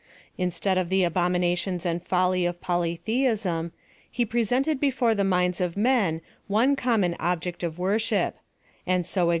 Instead of the abominations and fol ly of polytheism, he presented before the minds of men one common object of worship ; and so exlii • See Reinhard's Plan sec.